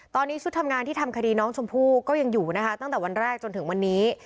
ตอนนี้ชุดทำงานที่ทำคดีน้องชมพู่ก็ยังอยู่นะคะตั้งแต่วันแรกจนถึงวันนี้